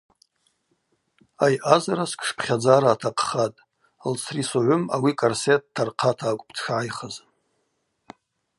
Айъазара сквшпхьадзара атахъхатӏ, лцри Согъвым ауи корсет дтархъата акӏвпӏ дшгӏайхыз.